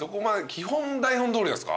基本台本どおりです